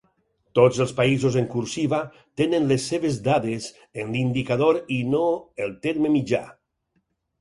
Tots els països en cursiva tenen les seves dades en l'indicador i no el terme mitjà.